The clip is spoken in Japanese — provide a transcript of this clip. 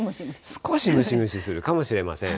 少しムシムシするかもしれません。